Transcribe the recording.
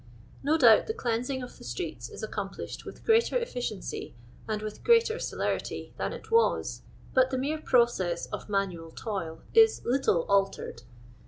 No doubt the cleansing of the streets i.s accomplished with greater efficiency and with greater celerity than it was, but the mere pro cess of manual toil is little altered.